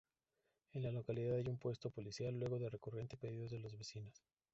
En la localidad hay un puesto policial, luego de recurrente pedidos de los vecinos.